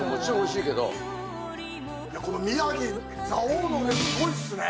いやぁ、この宮城、蔵王の梅、すごいっすねぇ！